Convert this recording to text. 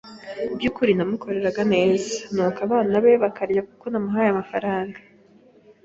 byukuri namukoreraga neza kuko abana be baryaga kuko namuhaye amafaranga